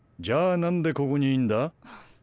じゃあ何でここにいんだ？